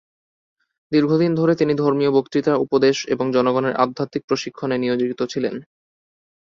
দীর্ঘদিন ধরে তিনি ধর্মীয় বক্তৃতা, উপদেশ এবং জনগণের আধ্যাত্মিক প্রশিক্ষণে নিয়োজিত ছিলেন।